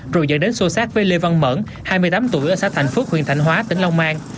rồi dẫn đến xô xác với lê văn mẫn hai mươi tám tuổi xã thành phước huyện thành hóa tỉnh long an